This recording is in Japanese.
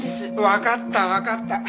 わかったわかった。